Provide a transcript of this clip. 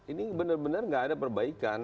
ini benar benar nggak ada perbaikan